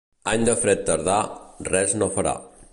Any de fred tardà, res no farà.